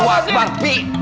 allah waspada bang pi